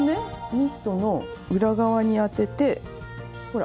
ニットの裏側にあててほら！